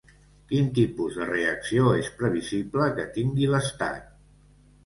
Quin tipus de reacció és previsible que tingui l'estat?